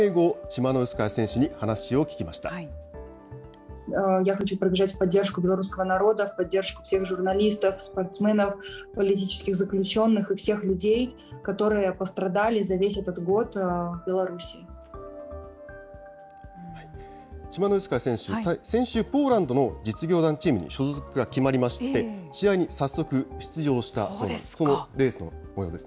チマノウスカヤ選手、先週、ポーランドの実業団チームに所属が決まりまして、試合に早速出場したそうです。